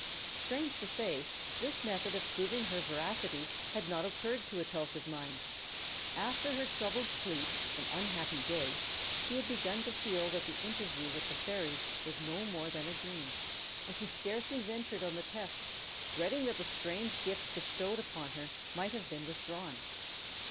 Strange to say, this method of proving her veracity had not occurred to Etelka's mind. After her troubled sleep and unhappy day she had begun to feel that the interview with the fairies was no more than a dream, and she scarcely ventured on the test, dreading that the strange gift bestowed upon her might have been withdrawn.